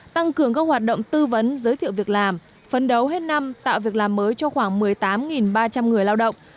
tăng cường các hoạt động tư vấn giới thiệu việc làm phấn đấu hết năm tạo việc làm mới cho khoảng một mươi tám ba trăm linh người lao động